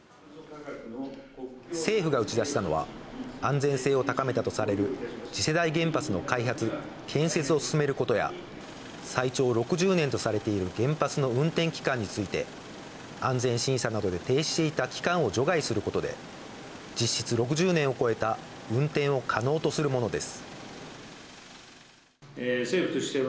政府が打ち出したのは、安全性を高めたとされる次世代原発の開発・建設を進めることや、最長６０年とされている原発の運転期間について、安全審査などで停止していた期間を除外することで、実質６０年を超えた運転を可能とするものです。